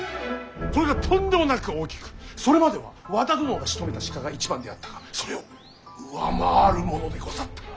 これがとんでもなく大きくそれまでは和田殿がしとめた鹿が一番であったがそれを上回るものでござった。